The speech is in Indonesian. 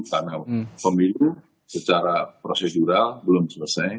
karena pemilu secara prosedural belum selesai